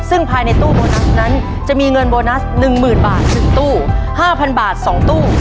ซึ่งภายในตู้โบนัสนั้นจะมีเงินโบนัส๑๐๐๐บาท๑ตู้๕๐๐บาท๒ตู้